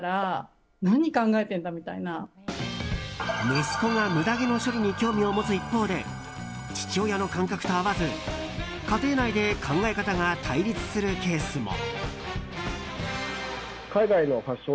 息子がムダ毛の処理に興味を持つ一方で父親の感覚と合わず、家庭内で考え方が対立するケースも。